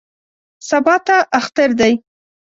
سبا ته اختر دی.